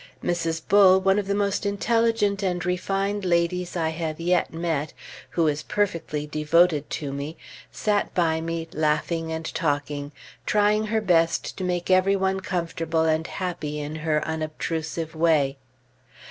Mrs. Bull, one of the most intelligent and refined ladies I have yet met, who is perfectly devoted to me, sat by me, laughing and talking, trying her best to make every one comfortable and happy in her unobtrusive way.